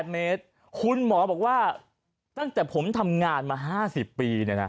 ๘เมตรคุณหมอบอกว่าตั้งแต่ผมทำงานมา๕๐ปี